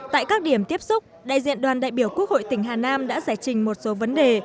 tại các điểm tiếp xúc đại diện đoàn đại biểu quốc hội tỉnh hà nam đã giải trình một số vấn đề